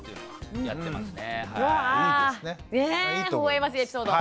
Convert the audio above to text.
ほほ笑ましいエピソード。